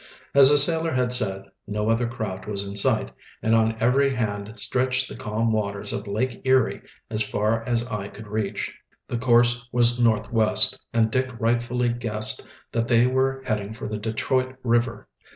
As the sailor had said, no other craft was in sight, and on every hand stretched the calm waters of Lake Erie as far as eye could reach. The course was northwest, and Dick rightfully guessed that they were heading for the Detroit River.